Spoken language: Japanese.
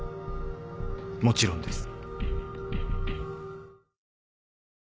もちろんです。